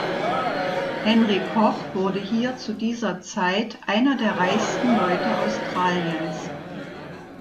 Henry Koch wurde hier zu dieser Zeit einer der reichsten Leute Australiens.